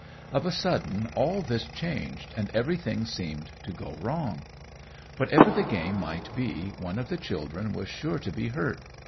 Of a sudden all this changed, and every thing seemed to go wrong. Whatever the game might be, one of the children was sure to be hurt.